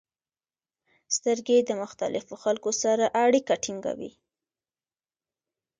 • سترګې د مختلفو خلکو سره اړیکه ټینګوي.